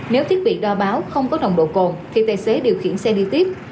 nếu thiết bị đo báo không có nồng độ cồn thì tài xế điều khiển xe đi tiếp